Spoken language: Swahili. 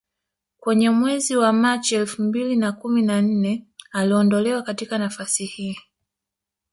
Kwenye mwezi wa Machi elfu mbili na kumi na nne aliondolewa katika nafasi hii